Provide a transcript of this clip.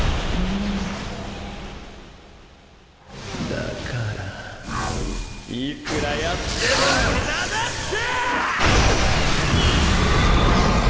だからいくらやっても無駄だって！！！